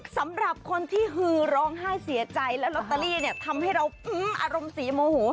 สำหรับคนที่ฮือร้องไห้เสียใจและลอตเตอรี่เนี่ยทำให้เราอารมณ์เสียโมโห